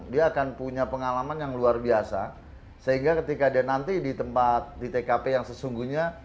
dia akan punya pengalaman yang luar biasa sehingga ketika dia nanti di tempat di tkp yang sesungguhnya